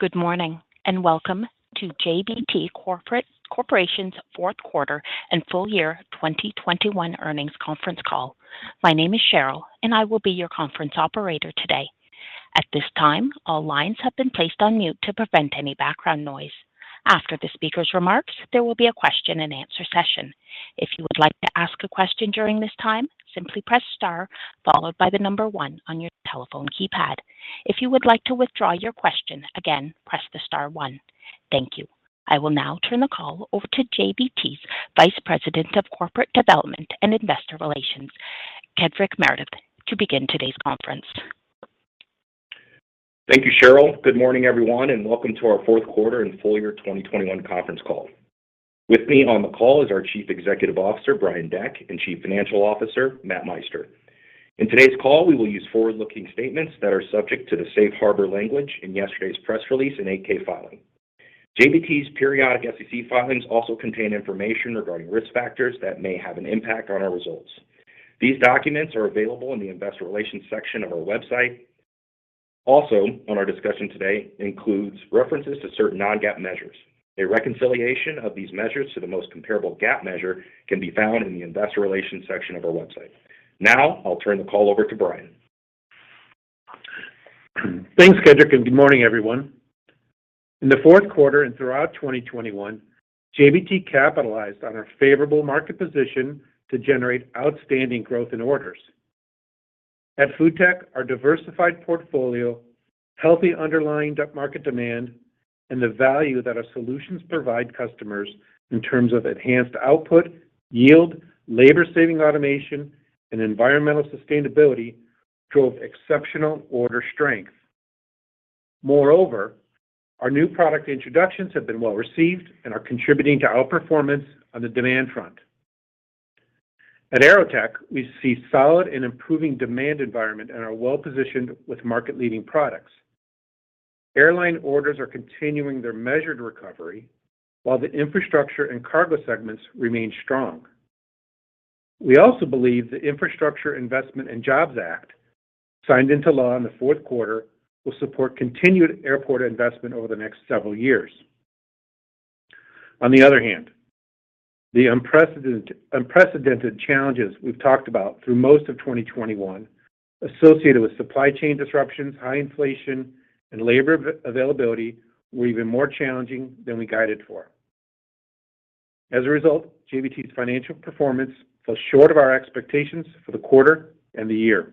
Good morning, and welcome to JBT Corporation's fourth quarter and full year 2021 earnings conference call. My name is Cheryl and I will be your conference operator today. At this time, all lines have been placed on mute to prevent any background noise. After the speaker's remarks, there will be a question and answer session. If you would like to ask a question during this time, simply press star followed by the number one on your telephone keypad. If you would like to withdraw your question, again, press the star one. Thank you. I will now turn the call over to JBT's Vice President of Corporate Development and Investor Relations, Kedric Meredith, to begin today's conference. Thank you, Cheryl. Good morning, everyone, and welcome to our fourth quarter and full year 2021 conference call. With me on the call is our Chief Executive Officer, Brian Deck, and Chief Financial Officer, Matthew Meister. In today's call, we will use forward-looking statements that are subject to the safe harbor language in yesterday's press release and 8-K filing. JBT's periodic SEC filings also contain information regarding risk factors that may have an impact on our results. These documents are available in the investor relations section of our website. Also, our discussion today includes references to certain non-GAAP measures. A reconciliation of these measures to the most comparable GAAP measure can be found in the investor relations section of our website. Now I'll turn the call over to Brian. Thanks, Kedric, and good morning, everyone. In the fourth quarter and throughout 2021, JBT capitalized on our favorable market position to generate outstanding growth in orders. At FoodTech, our diversified portfolio, healthy underlying market demand, and the value that our solutions provide customers in terms of enhanced output, yield, labor-saving automation, and environmental sustainability drove exceptional order strength. Moreover, our new product introductions have been well-received and are contributing to outperformance on the demand front. At AeroTech, we see solid and improving demand environment and are well-positioned with market-leading products. Airline orders are continuing their measured recovery while the infrastructure and cargo segments remain strong. We also believe the Infrastructure Investment and Jobs Act signed into law in the fourth quarter will support continued airport investment over the next several years. On the other hand, the unprecedented challenges we've talked about through most of 2021 associated with supply chain disruptions, high inflation, and labor availability were even more challenging than we guided for. As a result, JBT's financial performance fell short of our expectations for the quarter and the year.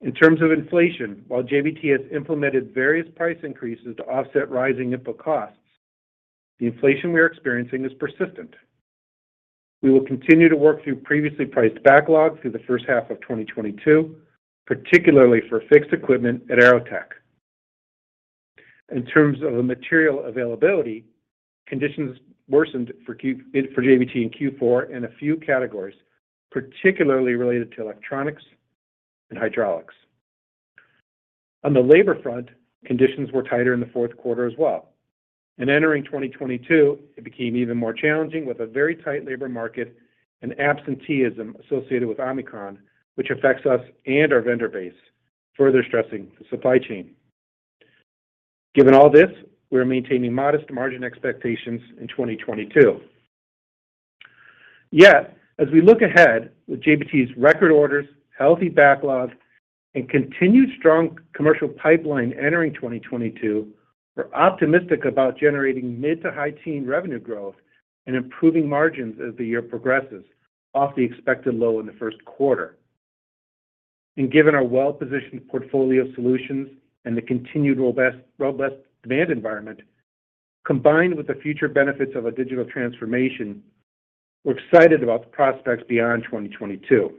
In terms of inflation, while JBT has implemented various price increases to offset rising input costs, the inflation we are experiencing is persistent. We will continue to work through previously priced backlogs through the first half of 2022, particularly for fixed equipment at AeroTech. In terms of the material availability, conditions worsened for JBT in Q4 in a few categories, particularly related to electronics and hydraulics. On the labor front, conditions were tighter in the fourth quarter as well. Entering 2022, it became even more challenging with a very tight labor market and absenteeism associated with Omicron, which affects us and our vendor base, further stressing the supply chain. Given all this, we're maintaining modest margin expectations in 2022. Yet, as we look ahead with JBT's record orders, healthy backlogs, and continued strong commercial pipeline entering 2022, we're optimistic about generating mid- to high-teens revenue growth and improving margins as the year progresses off the expected low in the first quarter. Given our well-positioned portfolio solutions and the continued robust demand environment, combined with the future benefits of a digital transformation, we're excited about the prospects beyond 2022.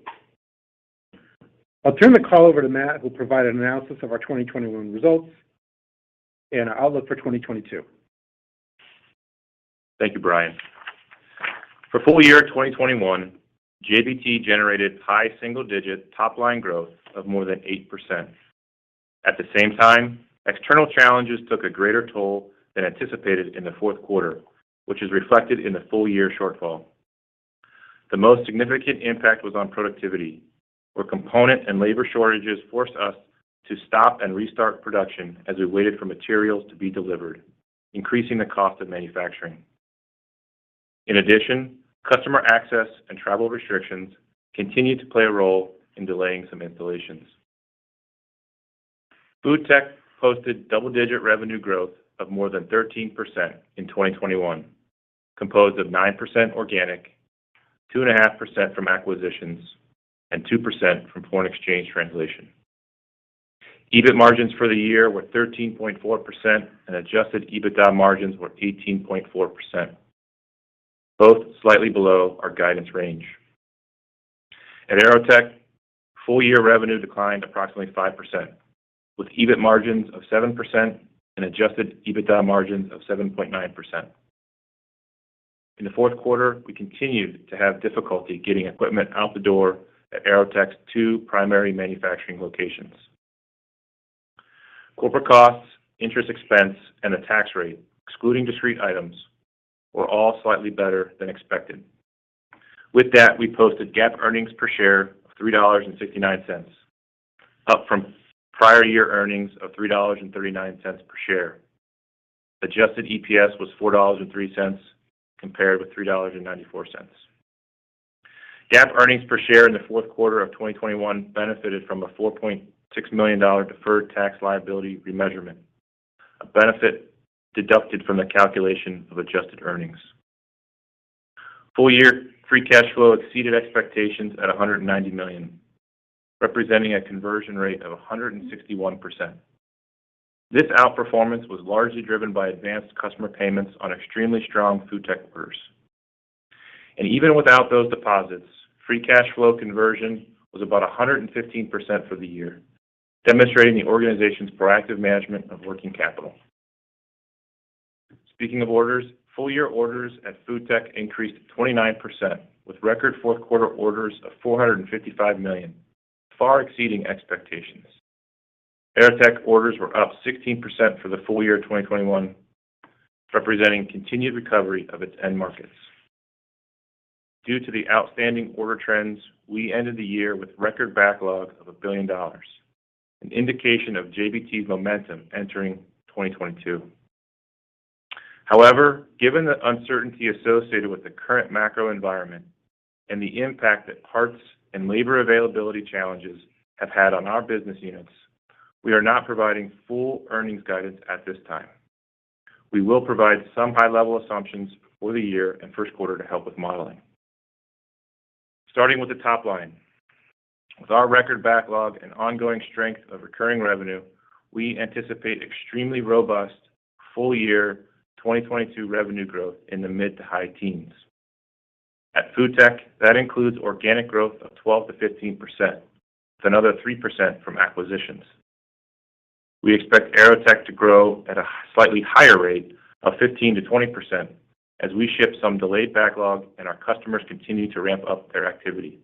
I'll turn the call over to Matthew, who will provide an analysis of our 2021 results and our outlook for 2022. Thank you, Brian. For full year 2021, JBT generated high single-digit top-line growth of more than 8%. At the same time, external challenges took a greater toll than anticipated in the fourth quarter, which is reflected in the full year shortfall. The most significant impact was on productivity, where component and labor shortages forced us to stop and restart production as we waited for materials to be delivered, increasing the cost of manufacturing. In addition, customer access and travel restrictions continued to play a role in delaying some installations. FoodTech posted double-digit revenue growth of more than 13% in 2021, composed of 9% organic, 2.5% from acquisitions, and 2% from foreign exchange translation. EBIT margins for the year were 13.4% and adjusted EBITDA margins were 18.4%, both slightly below our guidance range. At AeroTech, full year revenue declined approximately 5%, with EBIT margins of 7% and adjusted EBITDA margins of 7.9%. In the fourth quarter, we continued to have difficulty getting equipment out the door at AeroTech's two primary manufacturing locations. Corporate costs, interest expense, and the tax rate, excluding discrete items, were all slightly better than expected. With that, we posted GAAP earnings per share of $3.69, up from prior year earnings of $3.39 per share. Adjusted EPS was $4.03 compared with $3.94. GAAP earnings per share in the fourth quarter of 2021 benefited from a $4.6 million deferred tax liability remeasurement, a benefit deducted from the calculation of adjusted earnings. Full year free cash flow exceeded expectations at $190 million, representing a conversion rate of 161%. This outperformance was largely driven by advanced customer payments on extremely strong FoodTech orders. Even without those deposits, free cash flow conversion was about 115% for the year, demonstrating the organization's proactive management of working capital. Speaking of orders, full year orders at FoodTech increased 29% with record fourth quarter orders of $455 million, far exceeding expectations. AeroTech orders were up 16% for the full year 2021, representing continued recovery of its end markets. Due to the outstanding order trends, we ended the year with record backlog of $1 billion, an indication of JBT's momentum entering 2022. However, given the uncertainty associated with the current macro environment and the impact that parts and labor availability challenges have had on our business units, we are not providing full earnings guidance at this time. We will provide some high-level assumptions for the year and first quarter to help with modeling. Starting with the top line. With our record backlog and ongoing strength of recurring revenue, we anticipate extremely robust full year 2022 revenue growth in the mid- to high teens. At FoodTech, that includes organic growth of 12%-15%, with another 3% from acquisitions. We expect AeroTech to grow at a slightly higher rate of 15%-20% as we ship some delayed backlog and our customers continue to ramp up their activity.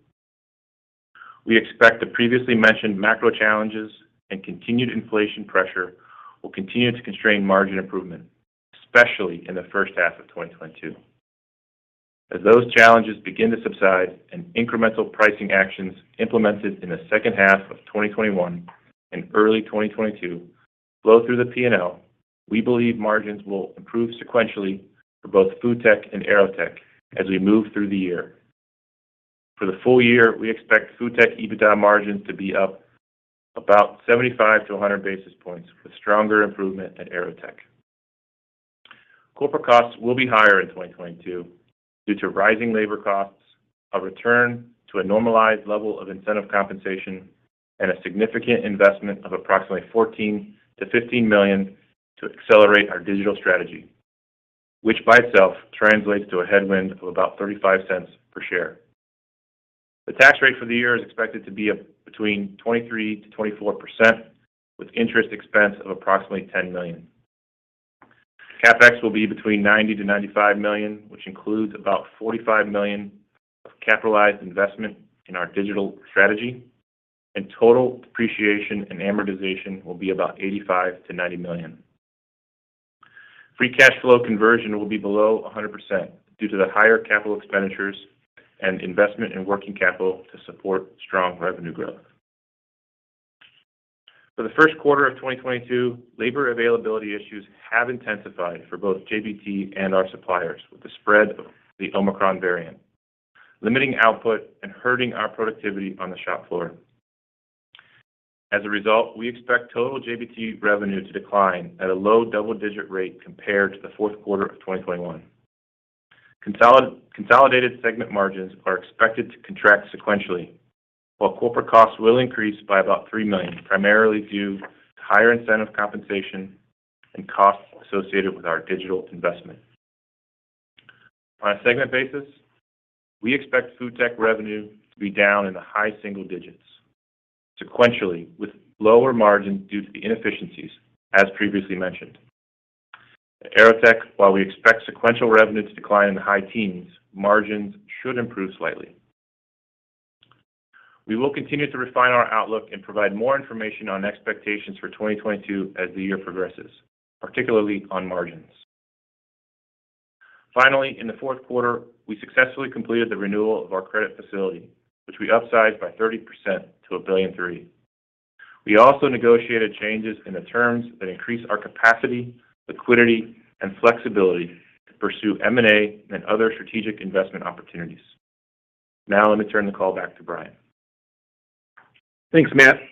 We expect the previously mentioned macro challenges and continued inflation pressure will continue to constrain margin improvement, especially in the first half of 2022. As those challenges begin to subside and incremental pricing actions implemented in the second half of 2021 and early 2022 flow through the P&L, we believe margins will improve sequentially for both FoodTech and AeroTech as we move through the year. For the full year, we expect FoodTech EBITDA margins to be up about 75 to 100 basis points with stronger improvement at AeroTech. Corporate costs will be higher in 2022 due to rising labor costs, a return to a normalized level of incentive compensation, and a significant investment of approximately $14 million-$15 million to accelerate our digital strategy, which by itself translates to a headwind of about $0.35 per share. The tax rate for the year is expected to be between 23%-24% with interest expense of approximately $10 million. CapEx will be between $90 million-$95 million, which includes about $45 million of capitalized investment in our digital strategy. Total depreciation and amortization will be about $85 million-$90 million. Free cash flow conversion will be below 100% due to the higher capital expenditures and investment in working capital to support strong revenue growth. For the first quarter of 2022, labor availability issues have intensified for both JBT and our suppliers with the spread of the Omicron variant, limiting output and hurting our productivity on the shop floor. As a result, we expect total JBT revenue to decline at a low double-digit rate compared to the fourth quarter of 2021. Consolidated segment margins are expected to contract sequentially, while corporate costs will increase by about $3 million, primarily due to higher incentive compensation and costs associated with our digital investment. On a segment basis, we expect FoodTech revenue to be down in the high single digits% sequentially with lower margin due to the inefficiencies, as previously mentioned. At AeroTech, while we expect sequential revenue to decline in the high teens%, margins should improve slightly. We will continue to refine our outlook and provide more information on expectations for 2022 as the year progresses, particularly on margins. Finally, in the fourth quarter, we successfully completed the renewal of our credit facility, which we upsized by 30% to $1.3 billion. We also negotiated changes in the terms that increase our capacity, liquidity, and flexibility to pursue M&A and other strategic investment opportunities. Now let me turn the call back to Brian. Thanks, Matthew.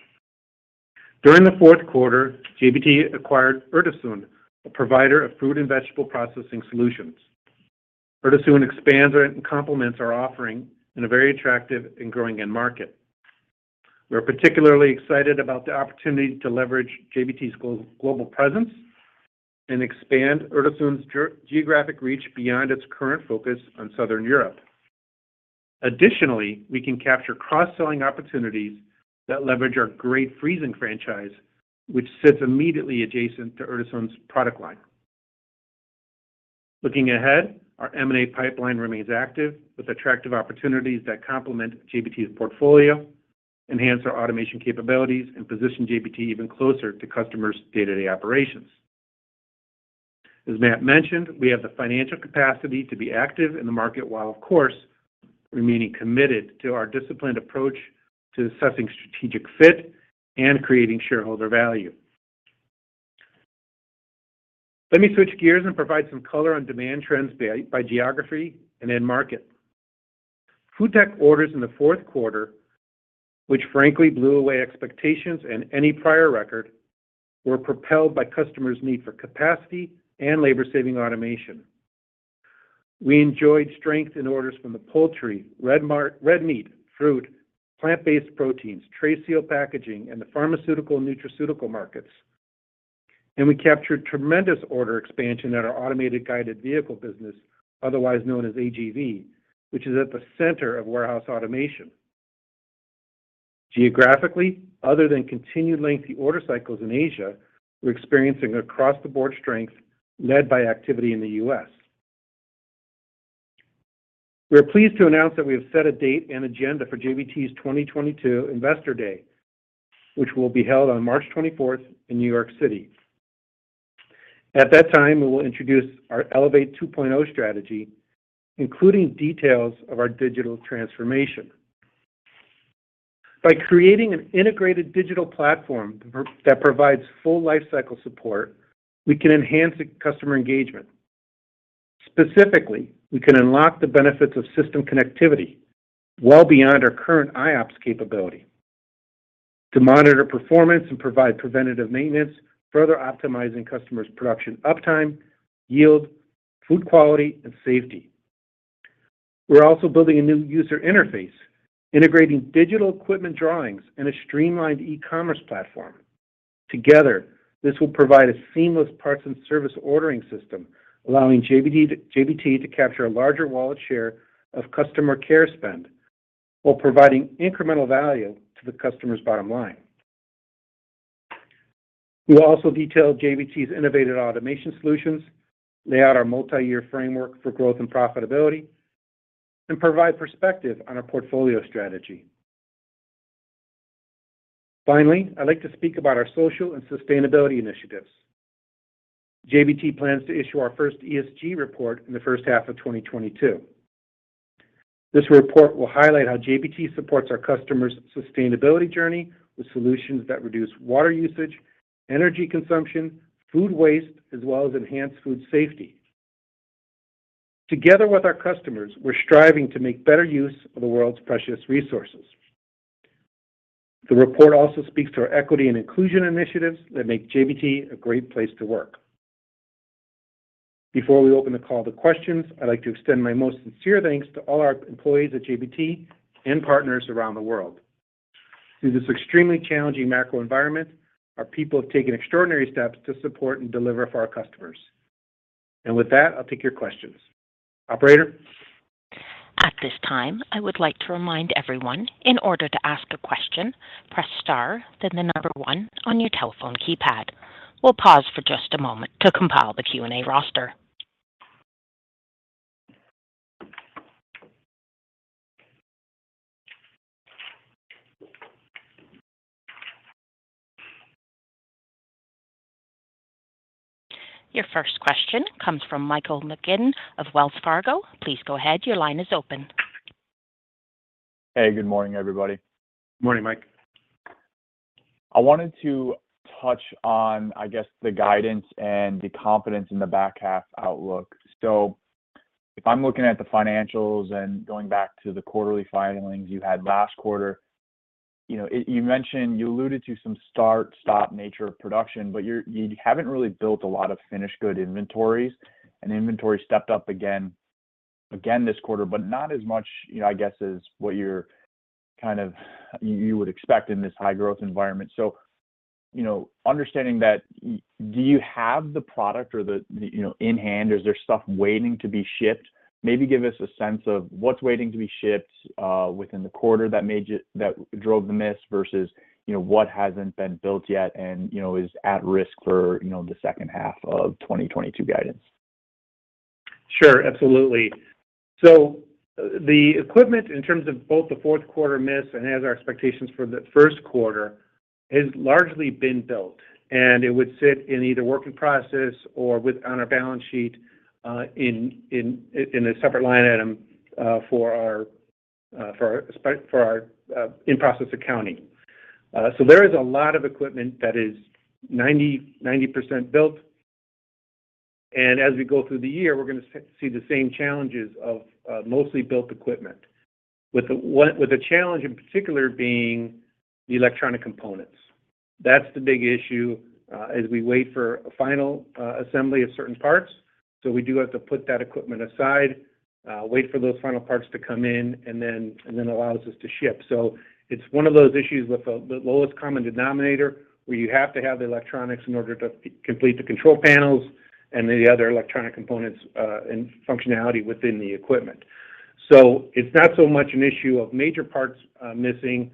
During the fourth quarter, JBT acquired Urtasun, a provider of fruit and vegetable processing solutions. Urtasun expands and complements our offering in a very attractive and growing end market. We are particularly excited about the opportunity to leverage JBT's global presence and expand Urtasun's geographic reach beyond its current focus on Southern Europe. Additionally, we can capture cross-selling opportunities that leverage our great freezing franchise, which sits immediately adjacent to Urtasun's product line. Looking ahead, our M&A pipeline remains active with attractive opportunities that complement JBT's portfolio, enhance our automation capabilities, and position JBT even closer to customers' day-to-day operations. As Matthew mentioned, we have the financial capacity to be active in the market, while of course remaining committed to our disciplined approach to assessing strategic fit and creating shareholder value. Let me switch gears and provide some color on demand trends by geography and end market. FoodTech orders in the fourth quarter, which frankly blew away expectations and any prior record, were propelled by customers' need for capacity and labor-saving automation. We enjoyed strength in orders from the poultry, red meat, fruit, plant-based proteins, tray seal packaging, and the pharmaceutical and nutraceutical markets. We captured tremendous order expansion at our automated guided vehicle business, otherwise known as AGV, which is at the center of warehouse automation. Geographically, other than continued lengthy order cycles in Asia, we're experiencing across-the-board strength led by activity in the U.S. We are pleased to announce that we have set a date and agenda for JBT's 2022 Investor Day, which will be held on March 24th in New York City. At that time, we will introduce our Elevate 2.0 strategy, including details of our digital transformation. By creating an integrated digital platform that provides full lifecycle support, we can enhance the customer engagement. Specifically, we can unlock the benefits of system connectivity well beyond our current iOPS capability to monitor performance and provide preventative maintenance, further optimizing customers' production uptime, yield, food quality, and safety. We're also building a new user interface, integrating digital equipment drawings in a streamlined e-commerce platform. Together, this will provide a seamless parts and service ordering system, allowing JBT to capture a larger wallet share of customer care spend while providing incremental value to the customer's bottom line. We will also detail JBT's innovative automation solutions, lay out our multiyear framework for growth and profitability, and provide perspective on our portfolio strategy. Finally, I'd like to speak about our social and sustainability initiatives. JBT plans to issue our first ESG report in the first half of 2022. This report will highlight how JBT supports our customers' sustainability journey with solutions that reduce water usage, energy consumption, food waste, as well as enhanced food safety. Together with our customers, we're striving to make better use of the world's precious resources. The report also speaks to our equity and inclusion initiatives that make JBT a great place to work. Before we open the call to questions, I'd like to extend my most sincere thanks to all our employees at JBT and partners around the world. Through this extremely challenging macro environment, our people have taken extraordinary steps to support and deliver for our customers. With that, I'll take your questions. Operator? At this time, I would like to remind everyone, in order to ask a question, press star, then the number one on your telephone keypad. We'll pause for just a moment to compile the Q&A roster. Your first question comes from Mike McGinn of Wells Fargo. Please go ahead, your line is open. Hey, good morning, everybody. Morning, Mike. I wanted to touch on, I guess, the guidance and the confidence in the back half outlook. If I'm looking at the financials and going back to the quarterly filings you had last quarter, you know, you alluded to some start-stop nature of production, but you haven't really built a lot of finished goods inventories, and inventory stepped up again this quarter, but not as much, you know, I guess as what you would expect in this high-growth environment. You know, understanding that, do you have the product or the, you know, in hand, or is there stuff waiting to be shipped? Maybe give us a sense of what's waiting to be shipped within the quarter that drove the miss versus, you know, what hasn't been built yet and, you know, is at risk for, you know, the second half of 2022 guidance. Sure, absolutely. The equipment in terms of both the fourth quarter miss and as our expectations for the first quarter has largely been built, and it would sit in either work in process or on our balance sheet, in a separate line item, for our in-process accounting. There is a lot of equipment that is 90% built, and as we go through the year, we're gonna see the same challenges of mostly built equipment, with the challenge in particular being the electronic components. That's the big issue, as we wait for a final assembly of certain parts. We do have to put that equipment aside, wait for those final parts to come in, and then allows us to ship. It's one of those issues with the lowest common denominator, where you have to have the electronics in order to complete the control panels and the other electronic components and functionality within the equipment. It's not so much an issue of major parts missing.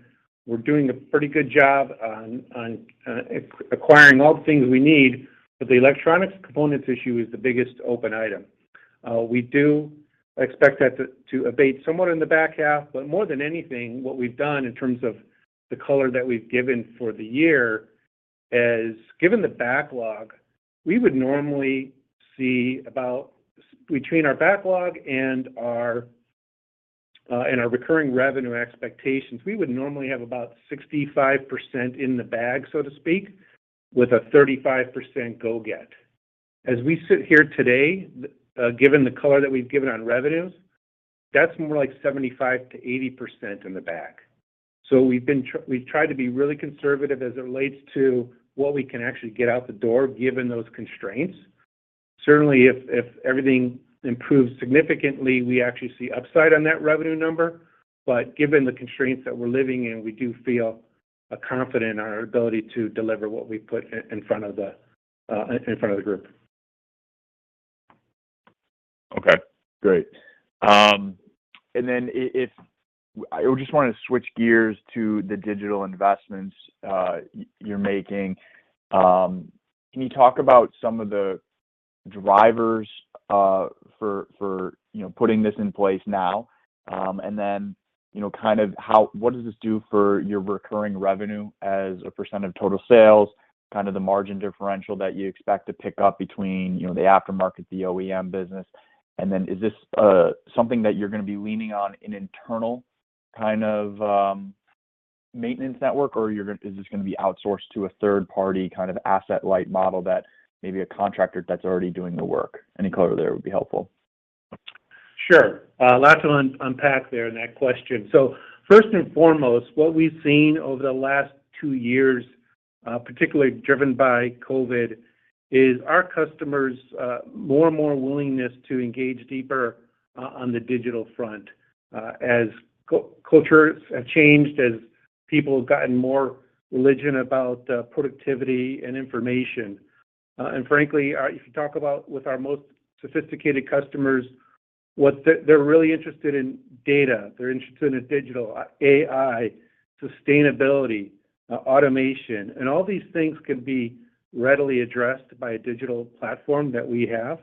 We're doing a pretty good job acquiring all the things we need, but the electronic components issue is the biggest open item. We do expect that to abate somewhat in the back half. More than anything, what we've done in terms of the color that we've given for the year is, given the backlog, we would normally have about 65% in the bag, so to speak, with a 35% go get. As we sit here today, given the color that we've given on revenues, that's more like 75%-80% in the bag. We've tried to be really conservative as it relates to what we can actually get out the door, given those constraints. Certainly, if everything improves significantly, we actually see upside on that revenue number. Given the constraints that we're living in, we do feel confident in our ability to deliver what we put in front of the group. Okay, great. I just wanna switch gears to the digital investments you're making. Can you talk about some of the drivers for you know, putting this in place now? You know, kind of what does this do for your recurring revenue as a percentage of total sales, kind of the margin differential that you expect to pick up between you know, the aftermarket, the OEM business? Is this something that you're gonna be leaning on an internal kind of maintenance network, or is this gonna be outsourced to a third-party kind of asset-light model that maybe a contractor that's already doing the work? Any color there would be helpful. Sure. A lot to unpack there in that question. First and foremost, what we've seen over the last two years, particularly driven by COVID, is our customers' more and more willingness to engage deeper on the digital front, as cultures have changed, as people have gotten more religion about productivity and information. Frankly, if you talk about with our most sophisticated customers, they're really interested in data. They're interested in digital, AI, sustainability, automation, and all these things can be readily addressed by a digital platform that we have.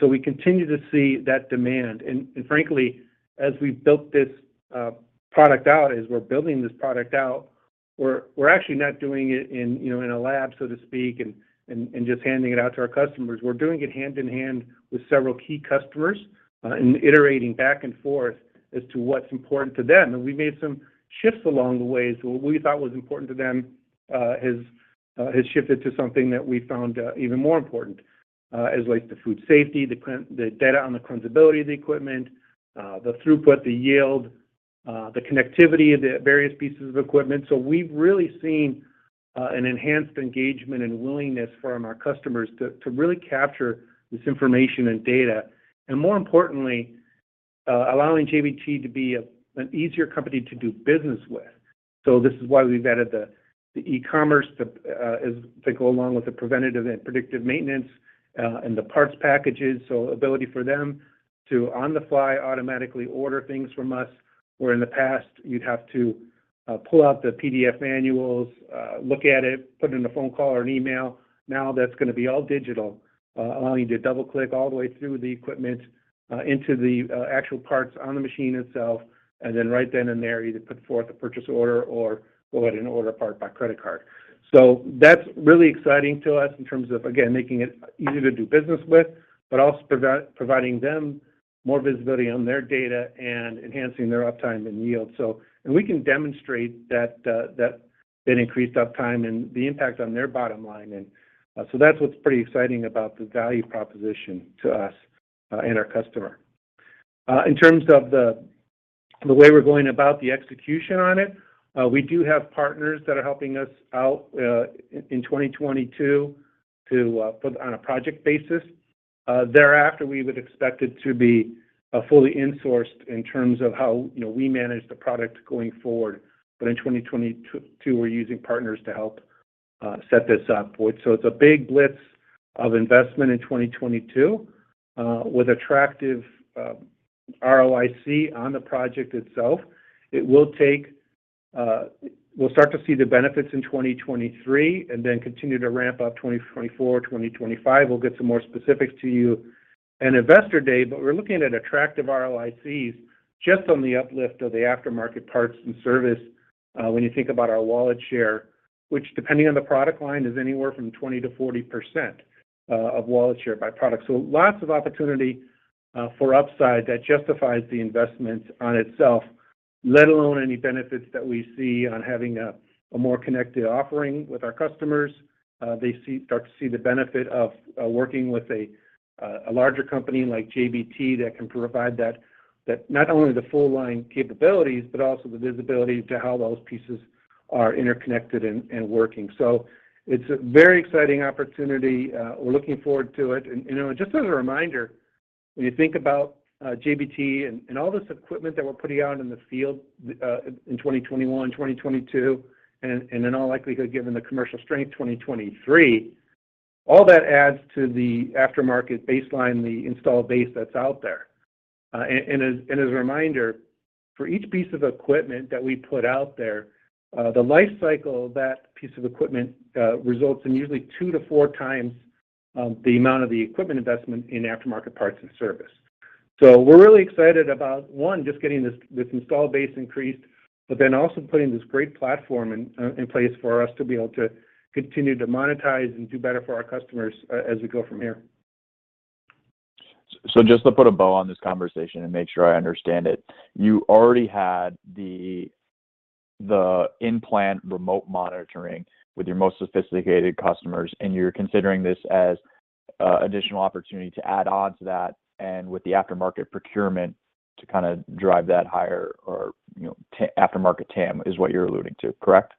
We continue to see that demand. Frankly, as we built this product out, as we're building this product out, we're actually not doing it in a lab, so to speak, and just handing it out to our customers. We're doing it hand-in-hand with several key customers, and iterating back and forth as to what's important to them. We made some shifts along the way. What we thought was important to them has shifted to something that we found even more important as relates to food safety, the data on the cleanliness ability of the equipment, the throughput, the yield, the connectivity of the various pieces of equipment. We've really seen an enhanced engagement and willingness from our customers to really capture this information and data, and more importantly, allowing JBT to be an easier company to do business with. This is why we've added the e-commerce to as to go along with the preventative and predictive maintenance, and the parts packages. Ability for them to on-the-fly automatically order things from us, where in the past you'd have to pull out the PDF manuals, look at it, put in a phone call or an email. Now that's gonna be all digital, allowing you to double-click all the way through the equipment, into the actual parts on the machine itself, and then right then and there, either put forth a purchase order or go ahead and order a part by credit card. That's really exciting to us in terms of, again, making it easy to do business with, but also providing them more visibility on their data and enhancing their uptime and yield. We can demonstrate that increased uptime and the impact on their bottom line. That's what's pretty exciting about the value proposition to us and our customer. In terms of the way we're going about the execution on it, we do have partners that are helping us out in 2022 to put on a project basis. Thereafter, we would expect it to be fully insourced in terms of how, you know, we manage the product going forward. In 2022, we're using partners to help set this up. It's a big blitz of investment in 2022 with attractive ROIC on the project itself. We'll start to see the benefits in 2023, and then continue to ramp up 2024, 2025. We'll get some more specifics to you in Investor Day, but we're looking at attractive ROICs just on the uplift of the aftermarket parts and service, when you think about our wallet share, which depending on the product line, is anywhere from 20%-40% of wallet share by product. Lots of opportunity for upside that justifies the investment in itself, let alone any benefits that we see on having a more connected offering with our customers. They start to see the benefit of working with a larger company like JBT that can provide that not only the full line capabilities, but also the visibility to how those pieces are interconnected and working. It's a very exciting opportunity. We're looking forward to it. You know, just as a reminder, when you think about JBT and all this equipment that we're putting out in the field, in 2021, 2022, and in all likelihood, given the commercial strength, 2023, all that adds to the aftermarket baseline, the installed base that's out there. As a reminder, for each piece of equipment that we put out there, the life cycle of that piece of equipment results in usually two to four times the amount of the equipment investment in aftermarket parts and service. We're really excited about, one, just getting this installed base increased, but then also putting this great platform in place for us to be able to continue to monetize and do better for our customers as we go from here. Just to put a bow on this conversation and make sure I understand it, you already had the in-plant remote monitoring with your most sophisticated customers, and you're considering this as additional opportunity to add on to that and with the aftermarket procurement to kinda drive that higher or, you know, aftermarket TAM is what you're alluding to, correct?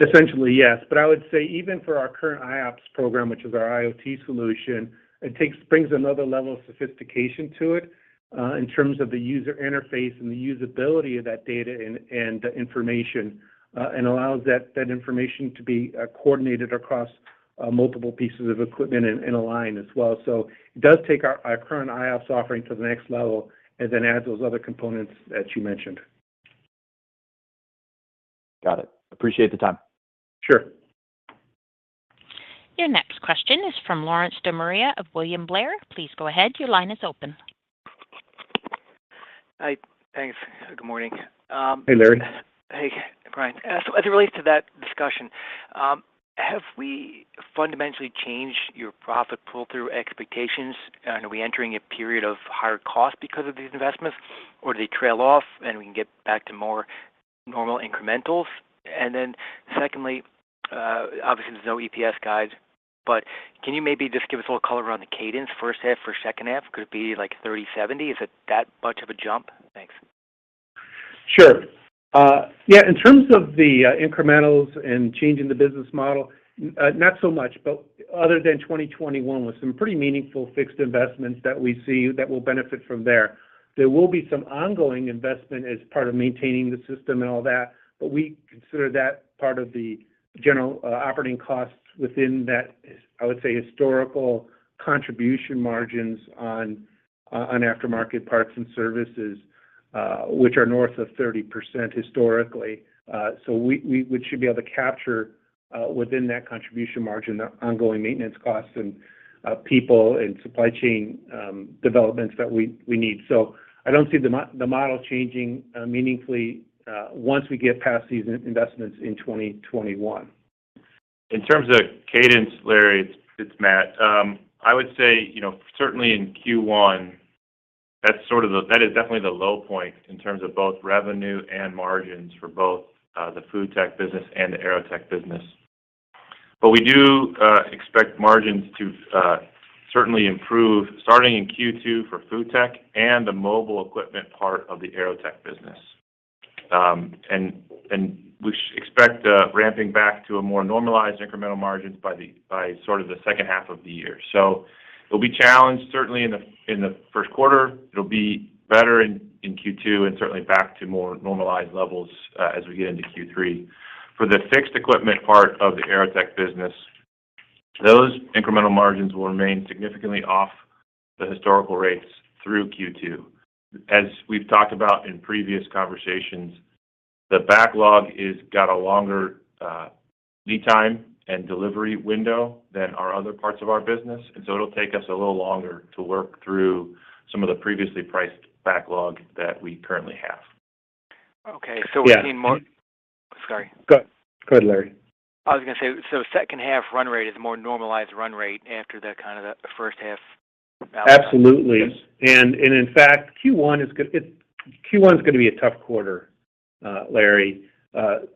Essentially, yes. I would say even for our current iOPS program, which is our IoT solution, brings another level of sophistication to it, in terms of the user interface and the usability of that data and the information, and allows that information to be coordinated across multiple pieces of equipment and aligned as well. It does take our current iOPS offering to the next level and then adds those other components that you mentioned. Got it. I appreciate the time. Sure. Your next question is from Lawrence DeMaria of William Blair. Please go ahead, your line is open. Hi, thanks. Good morning. Hey, Lawrence. Hey, Brian. As it relates to that discussion, have we fundamentally changed your profit pull-through expectations? Are we entering a period of higher costs because of these investments? Do they trail off, and we can get back to more normal incrementals? Secondly, obviously there's no EPS guides, but can you maybe just give us a little color around the Cadence first half versus second half? Could it be, like, 30/70? Is it that much of a jump? Thanks. Sure. Yeah, in terms of the incrementals and changing the business model, not so much, but other than 2021 with some pretty meaningful fixed investments that we see that will benefit from there. There will be some ongoing investment as part of maintaining the system and all that, but we consider that part of the general operating costs within that. I would say historical contribution margins on aftermarket parts and services, which are north of 30% historically. Which should be able to capture within that contribution margin the ongoing maintenance costs and people and supply chain developments that we need. I don't see the model changing meaningfully once we get past these investments in 2021. In terms of Cadence, Lawrence, it's Matthew. I would say, you know, certainly in Q1, that's sort of that is definitely the low point in terms of both revenue and margins for both the FoodTech business and the AeroTech business. We do expect margins to certainly improve starting in Q2 for FoodTech and the mobile equipment part of the AeroTech business. We expect a ramping back to a more normalized incremental margins by sort of the second half of the year. It'll be challenged certainly in the first quarter. It'll be better in Q2 and certainly back to more normalized levels as we get into Q3. For the fixed equipment part of the AeroTech business, those incremental margins will remain significantly off the historical rates through Q2. As we've talked about in previous conversations, the backlog is got a longer lead time and delivery window than our other parts of our business. It'll take us a little longer to work through some of the previously priced backlog that we currently have. Okay. We're seeing more. Yeah. Sorry. Go ahead, Lawrence. I was gonna say, second half run rate is a more normalized run rate after the kind of the first half. Absolutely. In fact, Q1's gonna be a tough quarter, Lawrence,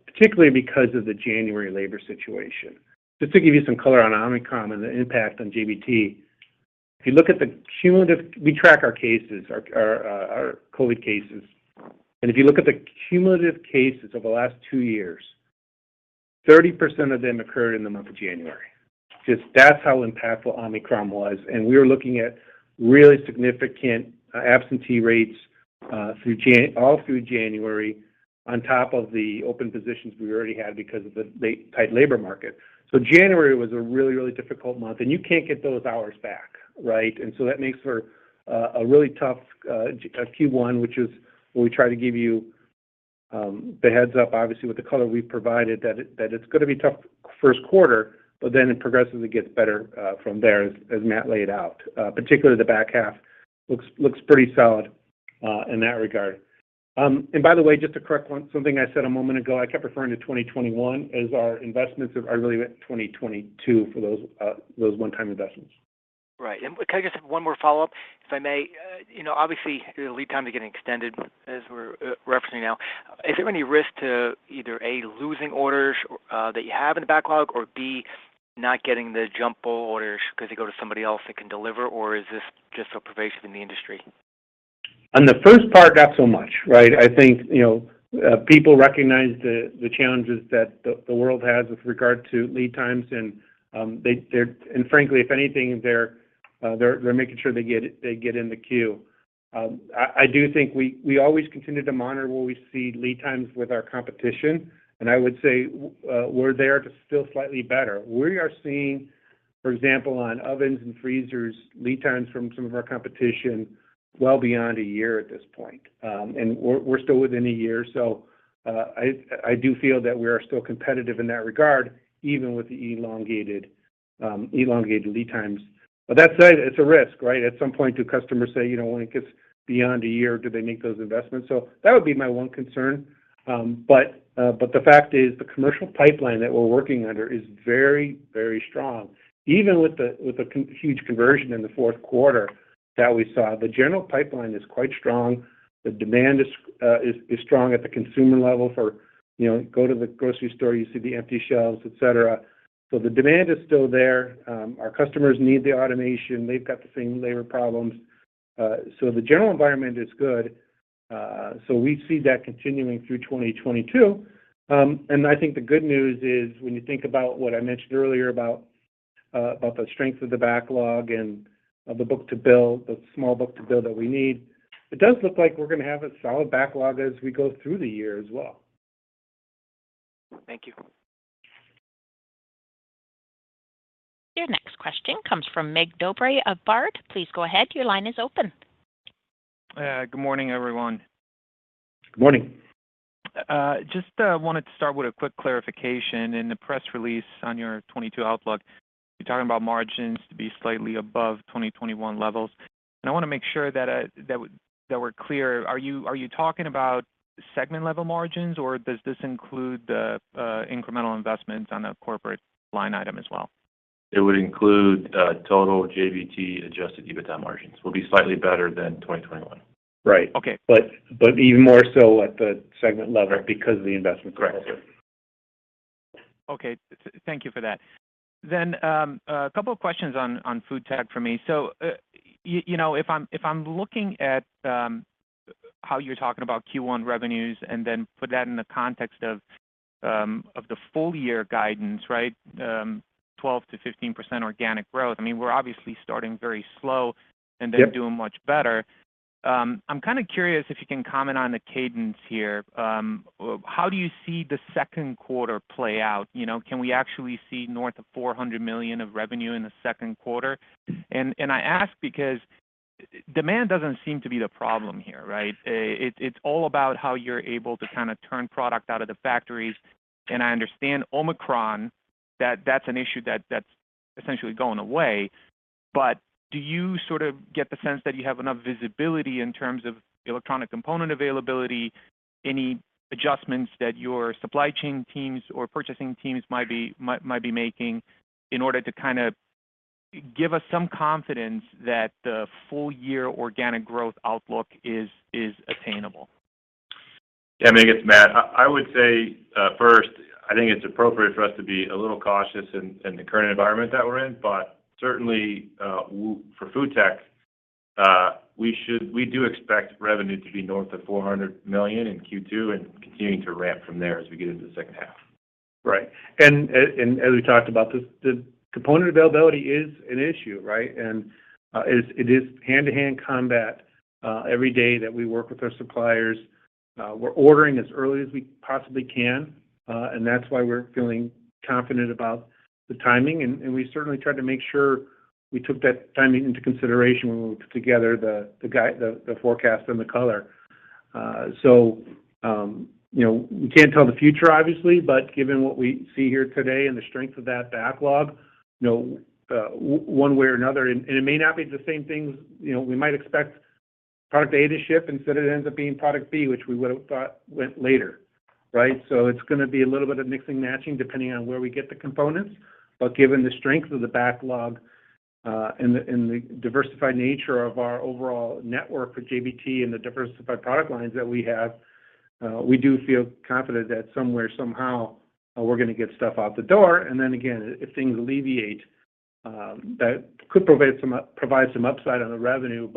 particularly because of the January labor situation. Just to give you some color on Omicron and the impact on JBT, if you look at the cumulative. We track our COVID cases. If you look at the cumulative cases over the last two years, 30% of them occurred in the month of January. That's how impactful Omicron was. We were looking at really significant absentee rates all through January on top of the open positions we already had because of the tight labor market. January was a really difficult month, and you can't get those hours back, right? That makes for a really tough Q1, which is what we try to give you the heads-up, obviously, with the color we've provided that it's gonna be tough first quarter, but then it progressively gets better from there as Matthew laid out. Particularly the back half looks pretty solid in that regard. By the way, just to correct something I said a moment ago, I kept referring to 2021 as our investments but really went 2022 for those one-time investments. Right. Can I just have one more follow-up, if I may? You know, obviously the lead time is getting extended, as we're referencing now. Is there any risk to either, A, losing orders that you have in the backlog, or B, not getting the jumbo orders 'cause they go to somebody else that can deliver, or is this just so pervasive in the industry? On the first part, not so much, right? I think, you know, people recognize the challenges that the world has with regard to lead times and, frankly, if anything, they're making sure they get in the queue. I do think we always continue to monitor where we see lead times with our competition, and I would say we're there, too, still slightly better. We are seeing, for example, on ovens and freezers, lead times from some of our competition well beyond a year at this point. We're still within a year. I do feel that we are still competitive in that regard, even with the elongated lead times. That said, it's a risk, right? At some point, do customers say, you know, when it gets beyond a year, do they make those investments? That would be my one concern. The fact is the commercial pipeline that we're working under is very, very strong. Even with the huge conversion in the fourth quarter that we saw, the general pipeline is quite strong. The demand is strong at the consumer level for... You know, go to the grocery store, you see the empty shelves, et cetera. The demand is still there. Our customers need the automation. They've got the same labor problems. The general environment is good. We see that continuing through 2022. I think the good news is when you think about what I mentioned earlier about the strength of the backlog and of the book-to-bill, the small book-to-bill that we need, it does look like we're gonna have a solid backlog as we go through the year as well. Thank you. Your next question comes from Mircea Dobre of Baird. Please go ahead. Your line is open. Good morning, everyone. Good morning. Just wanted to start with a quick clarification. In the press release on your 2022 outlook, you're talking about margins to be slightly above 2021 levels. I wanna make sure that we're clear. Are you talking about segment-level margins, or does this include the incremental investments on the corporate line item as well? It would include total JBT adjusted EBITDA margins. They will be slightly better than 2021. Right. Okay. Even more so at the segment level. Right because of the investments. Correct. Thank you for that. A couple of questions on FoodTech for me. You know, if I'm looking at how you're talking about Q1 revenues and then put that in the context of the full year guidance, right? 12%-15% organic growth. I mean, we're obviously starting very slow. Yep Doing much better. I'm kind of curious if you can comment on the Cadence here. How do you see the second quarter play out? You know, can we actually see north of $400 million of revenue in the second quarter? I ask because demand doesn't seem to be the problem here, right? It's all about how you're able to kind of turn product out of the factories. I understand Omicron, that's an issue that's essentially going away. But do you sort of get the sense that you have enough visibility in terms of electronic component availability, any adjustments that your supply chain teams or purchasing teams might be making in order to kind of give us some confidence that the full year organic growth outlook is attainable? Yeah, I think it's Matthew. I would say first, I think it's appropriate for us to be a little cautious in the current environment that we're in. Certainly, for FoodTech, we do expect revenue to be north of $400 million in Q2 and continuing to ramp from there as we get into the second half. Right. As we talked about this, the component availability is an issue, right? It is hand-to-hand combat every day that we work with our suppliers. We're ordering as early as we possibly can, and that's why we're feeling confident about the timing. We certainly tried to make sure we took that timing into consideration when we put together the forecast and the color. You know, we can't tell the future obviously, but given what we see here today and the strength of that backlog, you know, one way or another. It may not be the same things. You know, we might expect product A to ship, instead it ends up being product B, which we would've thought went later, right? It's gonna be a little bit of mixing and matching depending on where we get the components. Given the strength of the backlog and the diversified nature of our overall network for JBT and the diversified product lines that we have, we do feel confident that somewhere, somehow, we're gonna get stuff out the door. Then again, if things alleviate, that could provide some upside on the revenue.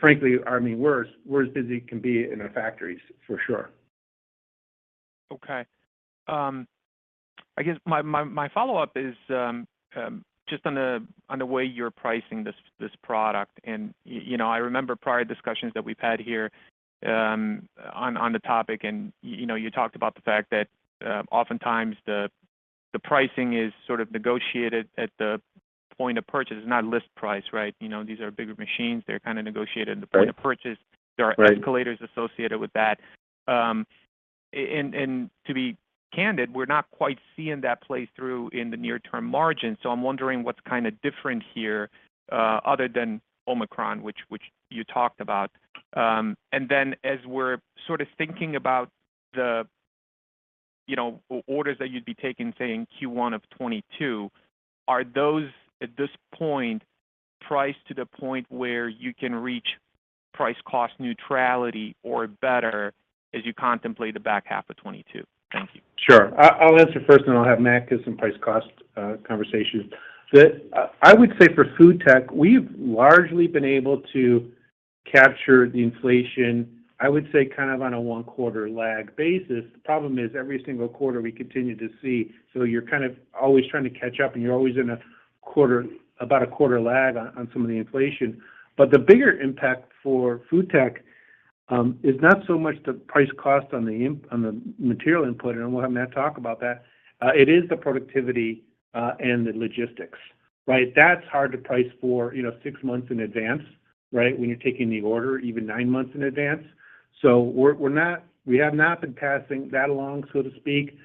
Frankly, I mean, we're as busy as can be in our factories for sure. Okay. I guess my follow-up is just on the way you're pricing this product. You know, I remember prior discussions that we've had here on the topic and, you know, you talked about the fact that oftentimes the pricing is sort of negotiated at the point of purchase. It's not list price, right? You know, these are bigger machines, they're kind of negotiated at the point- Right of purchase. Right. There are escalators associated with that. To be candid, we're not quite seeing that play through in the near term margins, so I'm wondering what's kind of different here, other than Omicron, which you talked about. As we're sort of thinking about the, you know, orders that you'd be taking, say, in Q1 of 2022, are those at this point priced to the point where you can reach price cost neutrality or better as you contemplate the back half of 2022? Thank you. Sure. I'll answer first then I'll have Matthew give some price cost conversation. I would say for FoodTech, we've largely been able to capture the inflation, I would say, kind of on a one quarter lag basis. The problem is every single quarter we continue to see. You're kind of always trying to catch up, and you're always about a quarter lag on some of the inflation. But the bigger impact for FoodTech, it's not so much the price cost on the material input, and we'll have Matthew talk about that. It is the productivity and the logistics, right? That's hard to price for, you know, six months in advance, right? When you're taking the order even nine months in advance. We have not been passing that along, so to speak.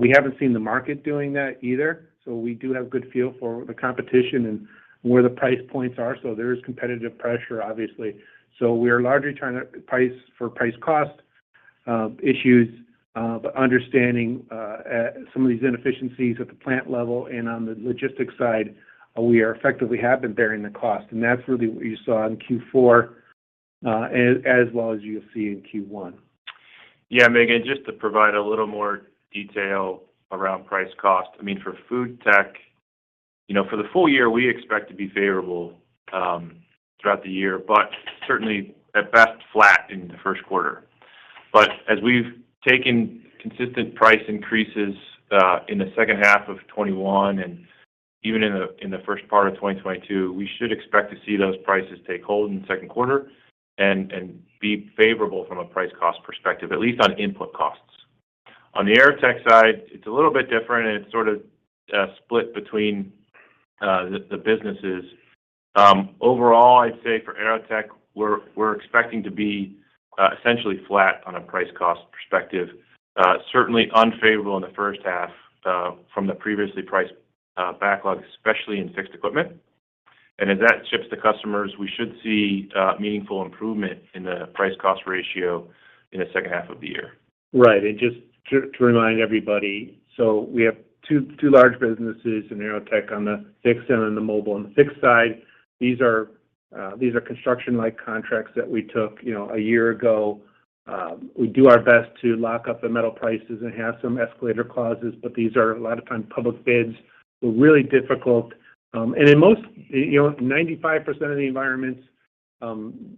We haven't seen the market doing that either, so we do have good feel for the competition and where the price points are. There is competitive pressure obviously. We are largely trying to price for price cost issues, but understanding some of these inefficiencies at the plant level and on the logistics side, we are effectively have been bearing the cost. That's really what you saw in Q4, as well as you'll see in Q1. Yeah. Mircea Dobre, just to provide a little more detail around price cost. I mean, for FoodTech, you know, for the full year, we expect to be favorable throughout the year, but certainly at best flat in the first quarter. As we've taken consistent price increases in the second half of 2021, and even in the first part of 2022, we should expect to see those prices take hold in the second quarter and be favorable from a price cost perspective, at least on input costs. On the AeroTech side, it's a little bit different and it's sort of split between the businesses. Overall, I'd say for AeroTech, we're expecting to be essentially flat on a price cost perspective. Certainly unfavorable in the first half from the previously priced backlog, especially in fixed equipment. As that ships to customers, we should see meaningful improvement in the price cost ratio in the second half of the year. Right. Just to remind everybody, we have two large businesses in AeroTech on the fixed and on the mobile and the fixed side. These are construction like contracts that we took, you know, a year ago. We do our best to lock up the metal prices and have some escalator clauses, but these are a lot of times public bids were really difficult. In most, you know, 95% of the environments,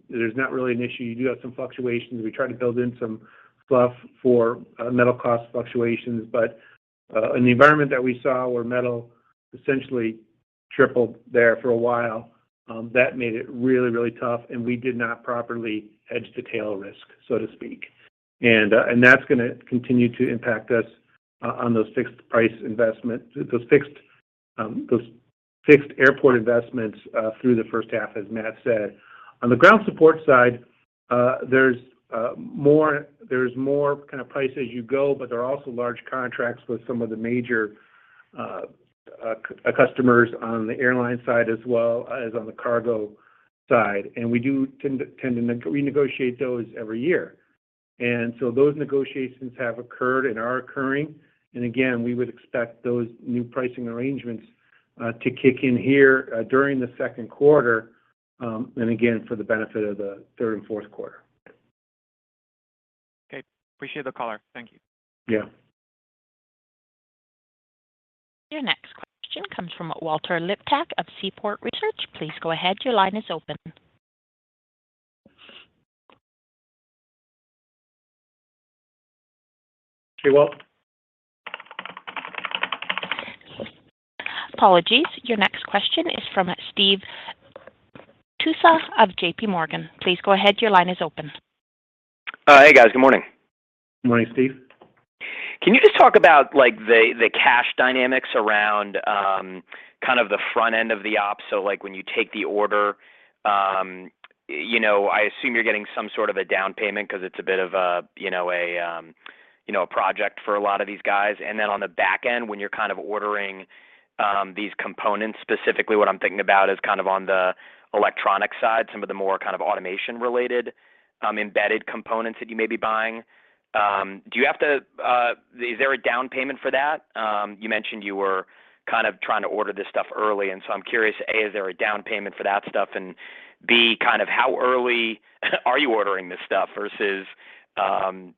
there's not really an issue. You do have some fluctuations. We try to build in some fluff for metal cost fluctuations. In the environment that we saw where metal essentially tripled there for a while, that made it really, really tough and we did not properly hedge the tail risk, so to speak. That's gonna continue to impact us on those fixed airport investments through the first half, as Matthew said. On the ground support side, there's more pricing as you go, but there are also large contracts with some of the major customers on the airline side as well as on the cargo side. We do tend to renegotiate those every year. Those negotiations have occurred and are occurring, and again, we would expect those new pricing arrangements to kick in here during the second quarter, and again, for the benefit of the third and fourth quarter. Okay. Appreciate the color. Thank you. Yeah. Your next question comes from Walter Liptak of Seaport Research. Please go ahead. Your line is open. Hey, Walter. Apologies. Your next question is from Steve Tusa of JPMorgan. Please go ahead. Your line is open. Hey guys. Good morning. Morning, Steve. Can you just talk about like the cash dynamics around kind of the front end of the op? Like when you take the order, you know, I assume you're getting some sort of a down payment 'cause it's a bit of a, you know, a project for a lot of these guys. On the back end when you're kind of ordering these components, specifically what I'm thinking about is kind of on the electronic side, some of the more kind of automation related embedded components that you may be buying. Is there a down payment for that? You mentioned you were kind of trying to order this stuff early, and so I'm curious, A, is there a down payment for that stuff, and B, kind of how early are you ordering this stuff versus,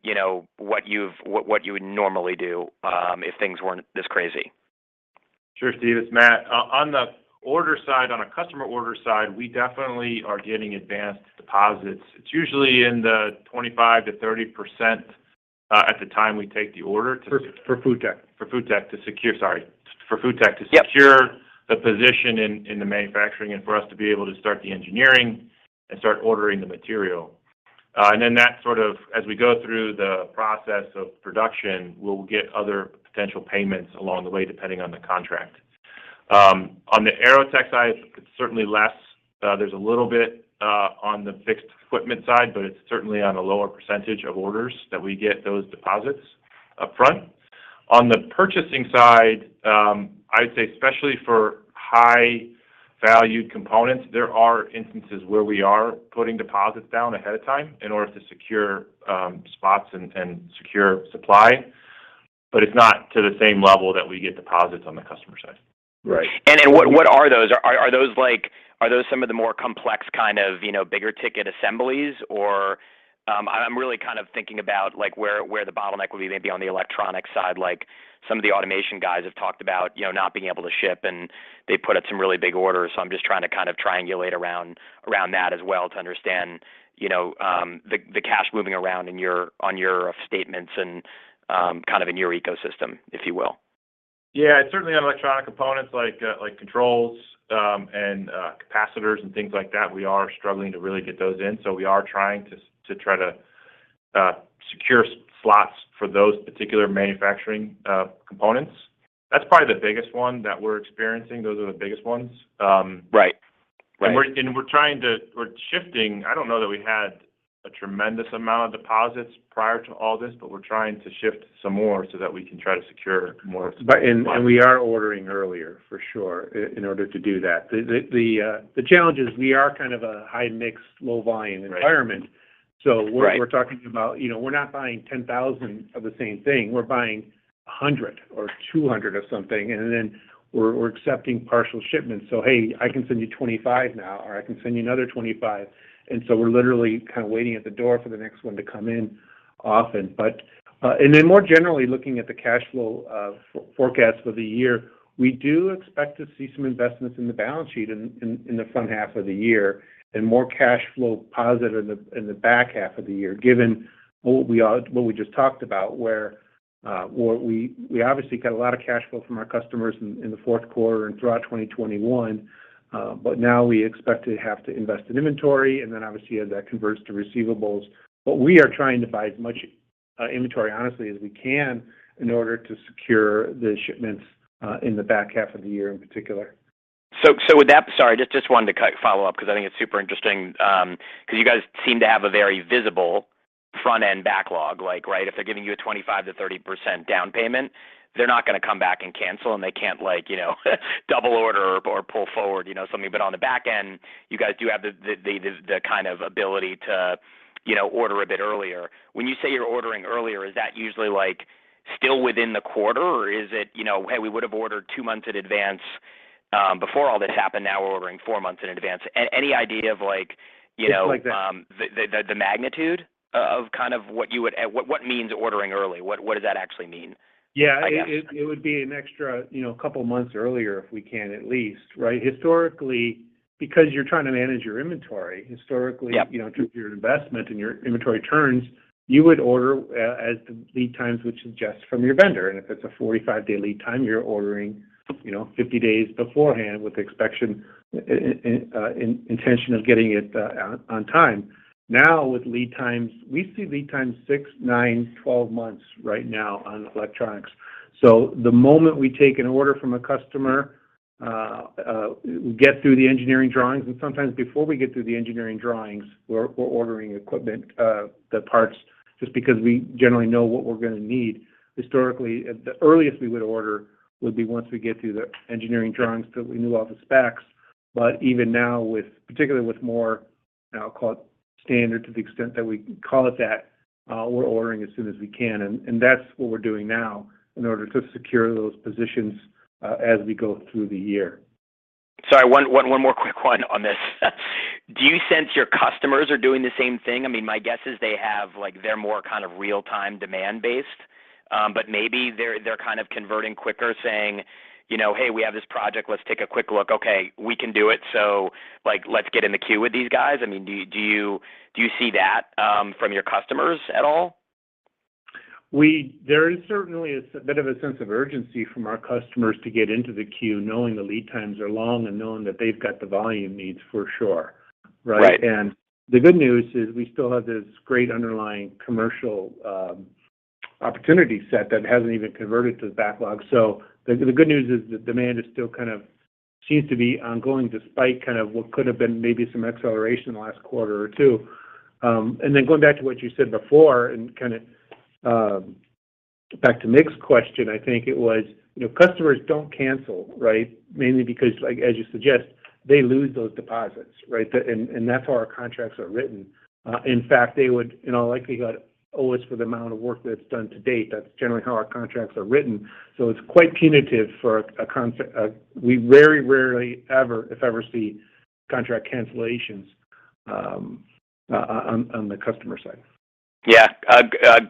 you know, what you would normally do, if things weren't this crazy? Sure, Steve. It's Matthew. On the order side, on a customer order side, we definitely are getting advanced deposits. It's usually in the 25%-30%, at the time we take the order to- For FoodTech. For FoodTech to Yep To secure the position in the manufacturing and for us to be able to start the engineering and start ordering the material. As we go through the process of production, we'll get other potential payments along the way, depending on the contract. On the AeroTech side, it's certainly less. There's a little bit on the fixed equipment side, but it's certainly on a lower percentage of orders that we get those deposits upfront. On the purchasing side, I'd say especially for high valued components, there are instances where we are putting deposits down ahead of time in order to secure spots and secure supply, but it's not to the same level that we get deposits on the customer side. Right. What are those? Are those some of the more complex kind of, you know, bigger ticket assemblies or? I'm really kind of thinking about like where the bottleneck would be maybe on the electronic side, like some of the automation guys have talked about, you know, not being able to ship and they put out some really big orders. I'm just trying to kind of triangulate around that as well to understand, you know, the cash moving around in your on your statements and kind of in your ecosystem, if you will. Yeah, certainly on electronic components like controls, and capacitors and things like that, we are struggling to really get those in. We are trying to secure slots for those particular manufacturing components. That's probably the biggest one that we're experiencing. Those are the biggest ones. Right. We're shifting. I don't know that we had a tremendous amount of deposits prior to all this, we're trying to shift some more so that we can try to secure more. We are ordering earlier for sure in order to do that. The challenge is we are kind of a high mix, low volume environment. Right. So we're- Right We're talking about, you know, we're not buying 10,000 of the same thing. We're buying 100 or 200 of something, and then we're accepting partial shipments. Hey, I can send you 25 now, or I can send you another 25. We're literally kind of waiting at the door for the next one to come in often. And then more generally, looking at the cash flow forecast for the year, we do expect to see some investments in the balance sheet in the front half of the year and more cash flow positive in the back half of the year, given what we just talked about where we obviously got a lot of cash flow from our customers in the fourth quarter and throughout 2021. Now we expect to have to invest in inventory and then obviously as that converts to receivables. We are trying to buy as much inventory honestly as we can in order to secure the shipments in the back half of the year in particular. With that. Sorry, just wanted to follow up because I think it's super interesting, 'cause you guys seem to have a very visible front end backlog, like, right? If they're giving you a 25%-30% down payment, they're not gonna come back and cancel, and they can't like, you know double order or pull forward, you know, something. On the back end, you guys do have the kind of ability to, you know, order a bit earlier. When you say you're ordering earlier, is that usually like still within the quarter, or is it, you know, hey, we would have ordered two months in advance, before all this happened, now we're ordering four months in advance? Any idea of like, you know- It's like the- The magnitude of kind of what means ordering early? What does that actually mean? Yeah. I guess. It would be an extra, you know, couple months earlier if we can at least, right? Historically, because you're trying to manage your inventory. Yep You know, your investment and your inventory turns, you would order as the lead times would suggest from your vendor. If it's a 45-day lead time, you're ordering, you know, 50 days beforehand with the expectation of getting it on time. Now with lead times, we see lead times six, nine, 12 months right now on electronics. The moment we take an order from a customer, we get through the engineering drawings, and sometimes before we get through the engineering drawings, we're ordering equipment, the parts just because we generally know what we're gonna need. Historically, at the earliest we would order once we get through the engineering drawings so we knew all the specs. Even now with, particularly with more, I'll call it standard to the extent that we call it that, we're ordering as soon as we can. That's what we're doing now in order to secure those positions, as we go through the year. Sorry, one more quick one on this. Do you sense your customers are doing the same thing? I mean, my guess is they have like they're more kind of real time demand based. Maybe they're kind of converting quicker saying, you know, "Hey, we have this project. Let's take a quick look. Okay, we can do it, so, like, let's get in the queue with these guys." I mean, do you see that from your customers at all? There is certainly a bit of a sense of urgency from our customers to get into the queue knowing the lead times are long and knowing that they've got the volume needs for sure, right? Right. The good news is we still have this great underlying commercial opportunity set that hasn't even converted to the backlog. The good news is the demand is still kind of seems to be ongoing despite kind of what could have been maybe some acceleration the last quarter or two. Then going back to what you said before and kind of back to Mircea's question, I think it was, you know, customers don't cancel, right? Mainly because like as you suggest, they lose those deposits, right? That's how our contracts are written. In fact, they would, you know, likely owe us for the amount of work that's done to date. That's generally how our contracts are written. It's quite punitive. We very rarely ever, if ever, see contract cancellations on the customer side. Yeah.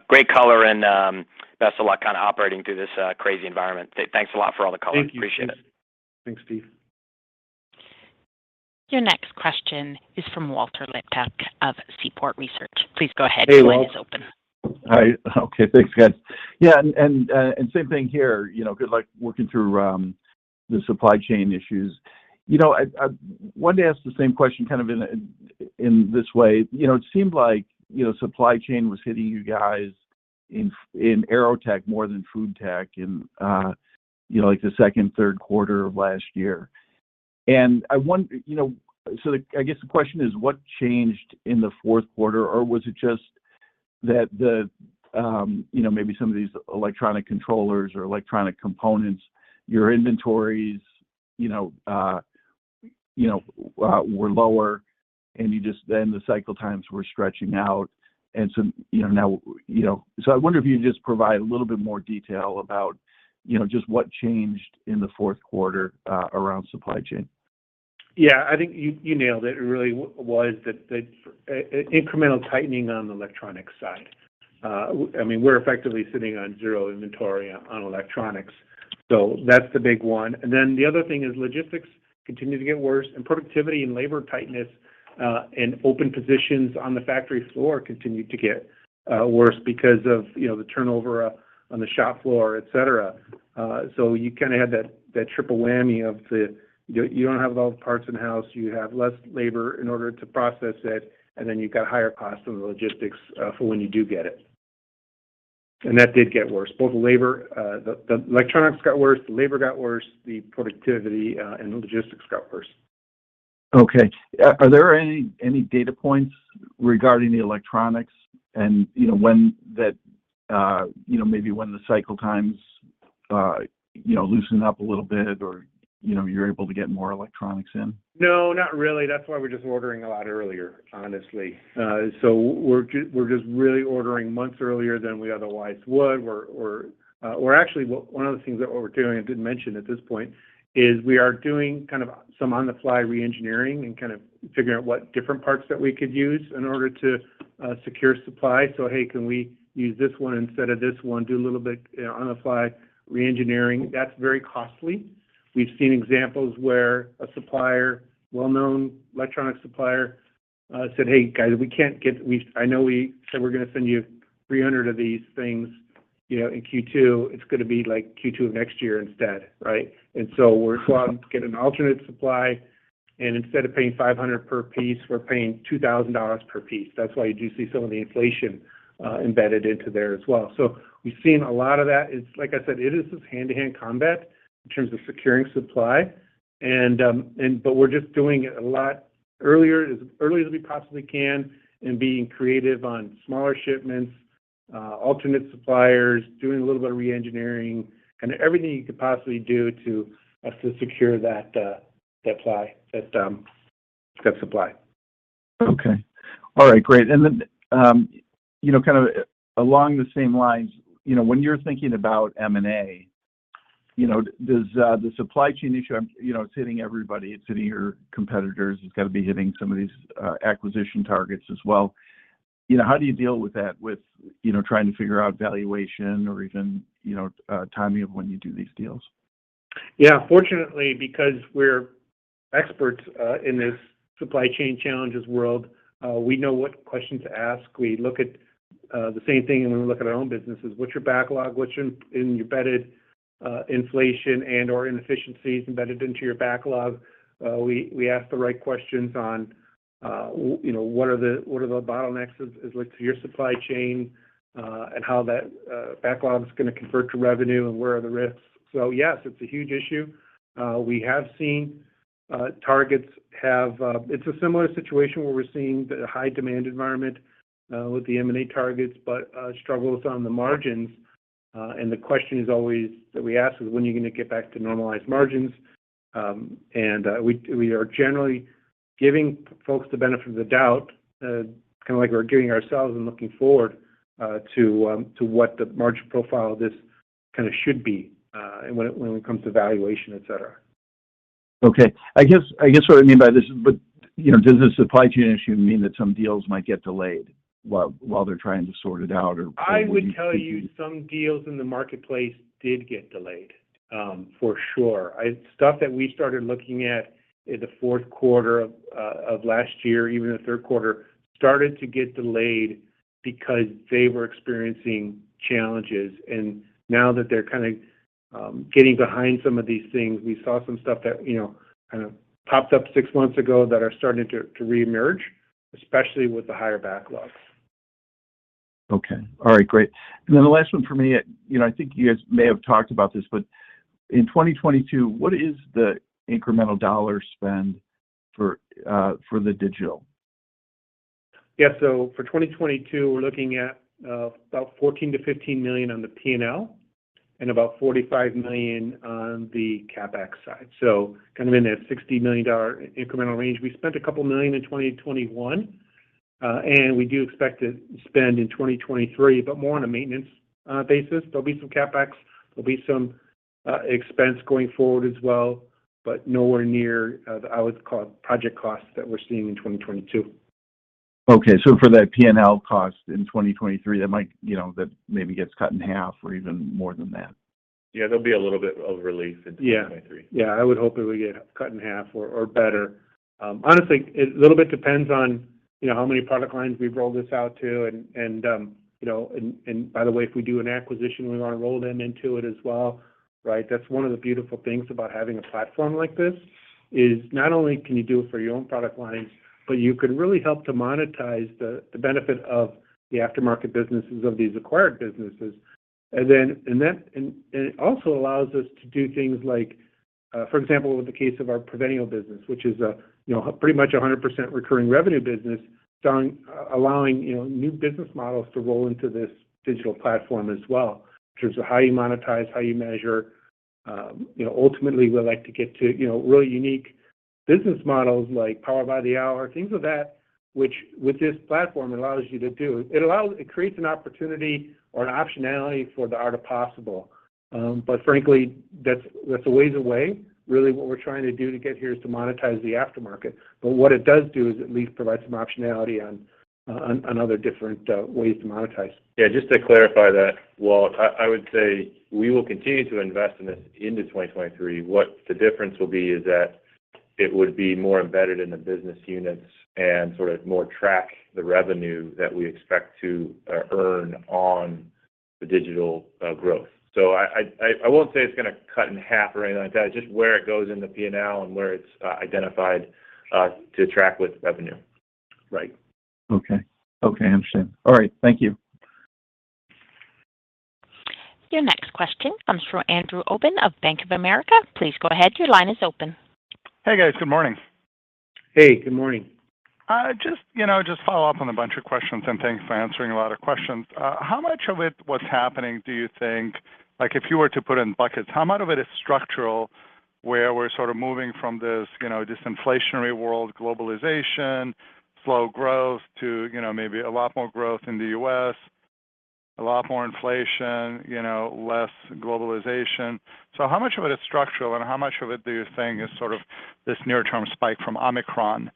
Great color and best of luck kind of operating through this crazy environment. Thanks a lot for all the color. Thank you. Appreciate it. Thanks, Steve. Your next question is from Walter Liptak of Seaport Research. Please go ahead. Hey, Walt. Your line is open. Hi. Okay, thanks guys. Yeah, same thing here, you know, good luck working through the supply chain issues. You know, I wanted to ask the same question kind of in this way. You know, it seemed like, you know, supply chain was hitting you guys in AeroTech more than FoodTech in, you know, like the second, third quarter of last year. I guess the question is, what changed in the fourth quarter? Or was it just that the, you know, maybe some of these electronic controllers or electronic components, your inventories, you know, were lower and you just then the cycle times were stretching out and some, you know, now. I wonder if you can just provide a little bit more detail about, you know, just what changed in the fourth quarter, around supply chain. Yeah. I think you nailed it. It really was the incremental tightening on the electronics side. I mean, we're effectively sitting on zero inventory on electronics. So that's the big one. The other thing is logistics continue to get worse, and productivity and labor tightness, and open positions on the factory floor continue to get worse because of, you know, the turnover on the shop floor, et cetera. So you kinda have that triple whammy. You don't have all the parts in-house, you have less labor in order to process it, and then you've got higher costs on the logistics for when you do get it. That did get worse. Both the labor, the electronics got worse, the labor got worse, the productivity, and the logistics got worse. Okay. Are there any data points regarding the electronics and, you know, maybe when the cycle times loosen up a little bit or, you know, you're able to get more electronics in? No, not really. That's why we're just ordering a lot earlier, honestly. We're just really ordering months earlier than we otherwise would. Actually, one of the things that we're doing I didn't mention at this point is we are doing kind of some on-the-fly re-engineering and kind of figuring out what different parts that we could use in order to secure supply. "Hey, can we use this one instead of this one?" Do a little bit on-the-fly re-engineering. That's very costly. We've seen examples where a supplier, well-known electronic supplier, said, "Hey, guys, we can't get. I know we said we're gonna send you 300 of these things, you know, in Q2. It's gonna be, like, Q2 of next year instead, right?" We're going to get an alternate supply, and instead of paying $500 per piece, we're paying $2000 per piece. That's why you do see some of the inflation embedded into there as well. We've seen a lot of that. It's like I said, it is this hand-to-hand combat in terms of securing supply, but we're just doing it a lot earlier, as early as we possibly can, and being creative on smaller shipments, alternate suppliers, doing a little bit of re-engineering, and everything you could possibly do to secure that supply. Okay. All right, great. You know, kind of along the same lines, you know, when you're thinking about M&A, you know, does the supply chain issue, you know, it's hitting everybody. It's hitting your competitors. It's gotta be hitting some of these acquisition targets as well. You know, how do you deal with that with, you know, trying to figure out valuation or even, you know, timing of when you do these deals? Yeah. Fortunately, because we're experts in this supply chain challenges world, we know what questions to ask. We look at the same thing when we look at our own businesses. What's your backlog? What's in your embedded inflation and/or inefficiencies embedded into your backlog? We ask the right questions on you know what are the bottlenecks as relates to your supply chain and how that backlog is gonna convert to revenue and where are the risks. Yes, it's a huge issue. It's a similar situation where we're seeing the high demand environment with the M&A targets, but struggles on the margins. The question that we always ask is, "When are you gonna get back to normalized margins?" We are generally giving folks the benefit of the doubt, kinda like we're giving ourselves and looking forward to what the margin profile of this kinda should be, and when it comes to valuation, et cetera. Okay. I guess what I mean by this, but you know, does the supply chain issue mean that some deals might get delayed while they're trying to sort it out or- I would tell you some deals in the marketplace did get delayed, for sure. Stuff that we started looking at in the fourth quarter of last year, even the third quarter, started to get delayed because they were experiencing challenges. Now that they're kinda getting behind some of these things, we saw some stuff that, you know, kind of popped up six months ago that are starting to reemerge, especially with the higher backlogs. Okay. All right, great. The last one for me, you know, I think you guys may have talked about this, but in 2022, what is the incremental dollar spend for the digital? Yeah. For 2022, we're looking at about $14 million-$15 million on the P&L and about $45 million on the CapEx side. Kind of in that $60 million incremental range. We spent a couple million in 2021, and we do expect to spend in 2023, but more on a maintenance basis. There'll be some CapEx, there'll be some expense going forward as well, but nowhere near I would call it project costs that we're seeing in 2022. Okay. For that P&L cost in 2023, that might, you know, that maybe gets cut in half or even more than that. Yeah, there'll be a little bit of relief in 2023. Yeah. Yeah, I would hope it would get cut in half or better. Honestly, it a little bit depends on, you know, how many product lines we've rolled this out to and, you know, by the way, if we do an acquisition, we wanna roll them into it as well, right? That's one of the beautiful things about having a platform like this, is not only can you do it for your own product lines, but you can really help to monetize the benefit of the aftermarket businesses of these acquired businesses. Then that. It also allows us to do things like, for example, with the case of our Proseal business, which is, you know, pretty much 100% recurring revenue business, allowing, you know, new business models to roll into this digital platform as well in terms of how you monetize, how you measure. You know, ultimately, we'd like to get to, you know, really unique business models like Power by the Hour, things of that, which with this platform allows you to do. It creates an opportunity or an optionality for the art of possible. But frankly, that's a ways away. Really what we're trying to do to get here is to monetize the aftermarket. What it does do is at least provide some optionality on other different ways to monetize. Yeah, just to clarify that, Walter, I would say we will continue to invest in this into 2023. What the difference will be is that it would be more embedded in the business units and sort of more track the revenue that we expect to earn on the digital growth. I won't say it's gonna cut in half or anything like that, just where it goes in the P&L and where it's identified to track with revenue. Right. Okay. Okay, understood. All right, thank you. Your next question comes from Andrew Obin of Bank of America. Please go ahead, your line is open. Hey, guys. Good morning. Hey, good morning. Just, you know, just follow up on a bunch of questions, and thanks for answering a lot of questions. How much of what's happening do you think? Like, if you were to put it in buckets, how much of it is structural, where we're sort of moving from this, you know, disinflationary world, globalization, slow growth to, you know, maybe a lot more growth in the U.S., a lot more inflation, you know, less globalization. How much of it is structural, and how much of it do you think is sort of this near-term spike from Omicron?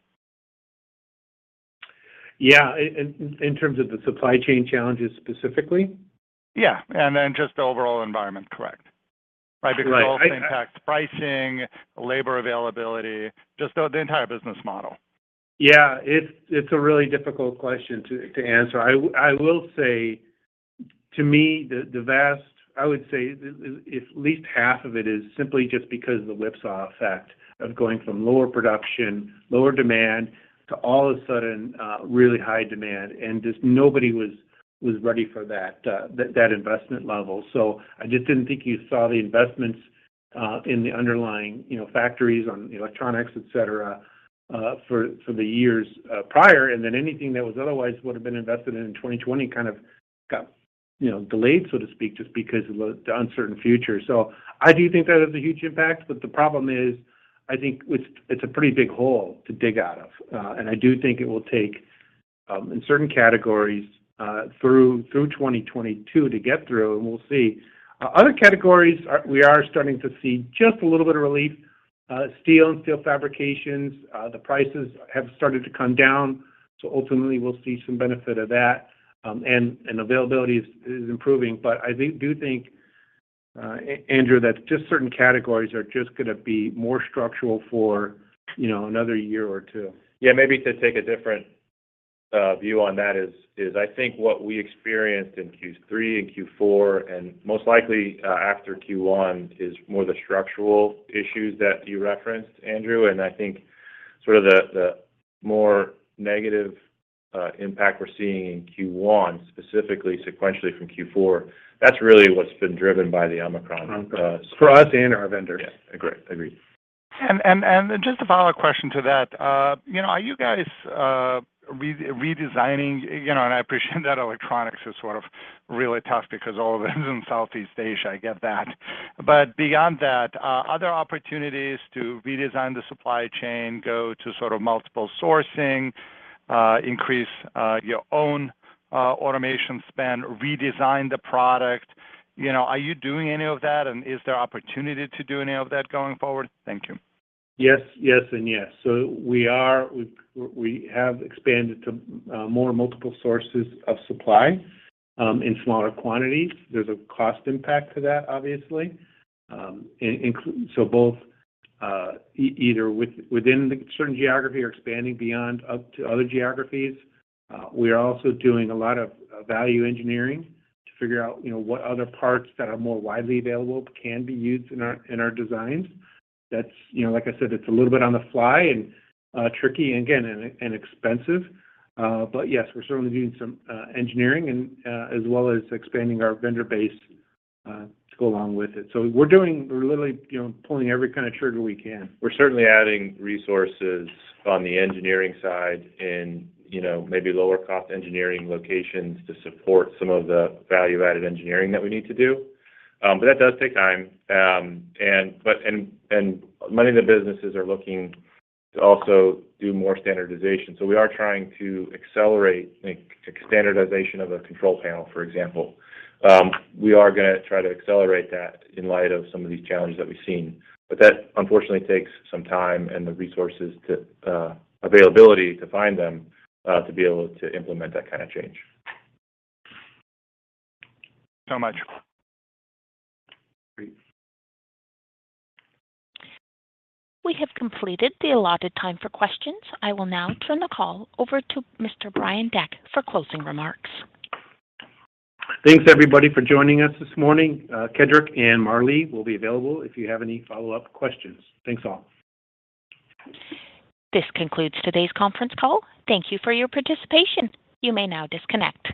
Yeah. In terms of the supply chain challenges specifically? Yeah, then just the overall environment. Correct. Right. Because it also impacts pricing, labor availability, just the entire business model. It's a really difficult question to answer. I will say to me, I would say at least half of it is simply just because of the whipsaw effect of going from lower production, lower demand to all of a sudden, really high demand, and just nobody was ready for that investment level. I just didn't think you saw the investments in the underlying, you know, factories on electronics, et cetera, for the years prior, and then anything that was otherwise would have been invested in 2020 kind of got, you know, delayed, so to speak, just because of the uncertain future. I do think that has a huge impact, but the problem is, I think it's a pretty big hole to dig out of. I do think it will take in certain categories through 2022 to get through, and we'll see. Other categories, we are starting to see just a little bit of relief. Steel and steel fabrications, the prices have started to come down, so ultimately we'll see some benefit of that. Availability is improving. I do think, Andrew, that just certain categories are just gonna be more structural for, you know, another year or two. Yeah. Maybe to take a different view on that is I think what we experienced in Q3 and Q4, and most likely after Q1, is more the structural issues that you referenced, Andrew. I think sort of the more negative impact we're seeing in Q1, specifically sequentially from Q4, that's really what's been driven by the Omicron. For us and our vendors. Yeah. Agree. Just a follow-up question to that. You know, are you guys redesigning? You know, I appreciate that electronics is sort of really tough because all of it is in Southeast Asia, I get that. But beyond that, are there opportunities to redesign the supply chain, go to sort of multiple sourcing, increase your own automation span, redesign the product? You know, are you doing any of that, and is there opportunity to do any of that going forward? Thank you. Yes, yes, and yes. We have expanded to more multiple sources of supply in smaller quantities. There's a cost impact to that, obviously. Both either within the certain geography or expanding beyond up to other geographies. We are also doing a lot of value engineering to figure out, you know, what other parts that are more widely available can be used in our designs. That's, you know, like I said, it's a little bit on the fly and tricky and, again, expensive. Yes, we're certainly doing some engineering and as well as expanding our vendor base to go along with it. We're literally, you know, pulling every kind of trigger we can. We're certainly adding resources on the engineering side and, you know, maybe lower cost engineering locations to support some of the value-added engineering that we need to do. That does take time. Many of the businesses are looking to also do more standardization. We are trying to accelerate, like, standardization of a control panel, for example. We are gonna try to accelerate that in light of some of these challenges that we've seen. That, unfortunately, takes some time and the resources, the availability to find them, to be able to implement that kind of change. Thank you so much. Great. We have completed the allotted time for questions. I will now turn the call over to Mr. Brian Deck for closing remarks. Thanks, everybody, for joining us this morning. Kedric and Matthew will be available if you have any follow-up questions. Thanks, all. This concludes today's conference call. Thank you for your participation. You may now disconnect.